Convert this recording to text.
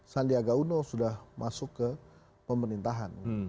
sandiaga uno sudah masuk ke pemerintahan